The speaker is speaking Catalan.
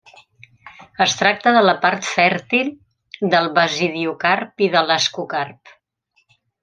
Es tracta de la part fèrtil del basidiocarp i de l'ascocarp.